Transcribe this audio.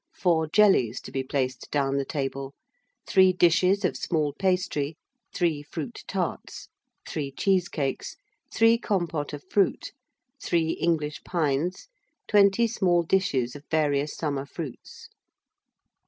4 Jellies, to be placed down the table. 3 Dishes of Small Pastry. 3 Fruit Tarts. 3 Cheesecakes. 3 Compotes of Fruit. 3 English Pines. 20 Small Dishes of various Summer Fruits.